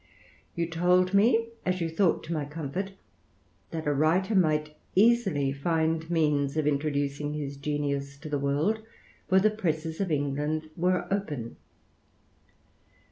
You told me, as you thought, to my comfort, that a writer might easily find means of introducing his genius to Ae world, for the presses of England were open.